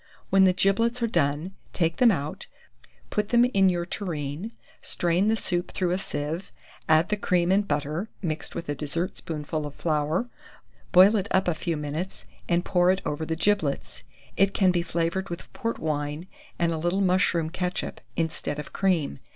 When the giblets are done, take them out, put them in your tureen, strain the soup through a sieve, add the cream and butter, mixed with a dessert spoonful of flour, boil it up a few minutes, and pour it over the giblets. It can be flavoured with port wine and a little mushroom ketchup, instead of cream.